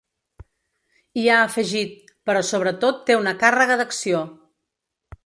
I ha afegit: Però sobretot té una càrrega d’acció.